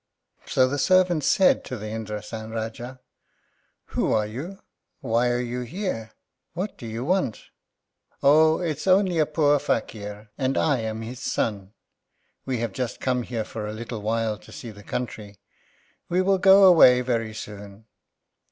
So the servant said to the Indrásan Rájá, "Who are you? why are you here? what do you want?" "Oh, it's only a poor Fakír, and I am his son. We have just come here for a little while to see the country. We will go away very soon."